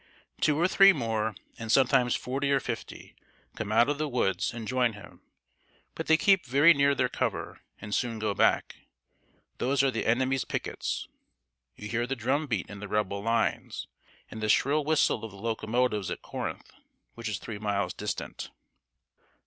Two or three more, and sometimes forty or fifty, come out of the woods and join him, but they keep very near their cover, and soon go back. Those are the enemy's pickets. You hear the drum beat in the Rebel lines, and the shrill whistle of the locomotives at Corinth, which is three miles distant.